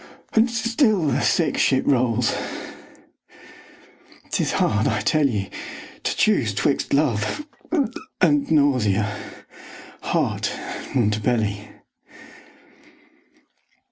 And still the sick ship rolls. 'Tis hard, I tell ye, To choose 'twixt love and nausea, heart and belly.